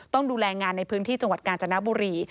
ต้องดูแลงานในพื้นที่จังหวัดกาญจนบุรี